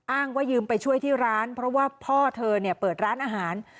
อ้างว่ายืมไปช่วยที่ร้านเพราะว่าพ่อเธอเนี่ยเปิดร้านอาหาร